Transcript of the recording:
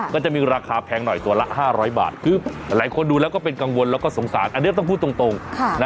ก็จะมีราคาแพงหน่อยตัวละ๕๐๐บาทคือหลายคนดูแล้วก็เป็นกังวลแล้วก็สงสารอันนี้ต้องพูดตรง